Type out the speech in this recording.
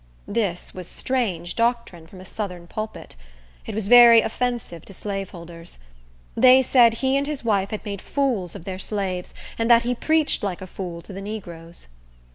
This was strange doctrine from a southern pulpit. It was very offensive to slaveholders. They said he and his wife had made fools of their slaves, and that he preached like a fool to the negroes.